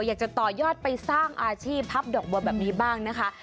อยากจะต่อยอดไปสร้างอาชีพพับดอกบัวแบบนี้บ้างนะคะ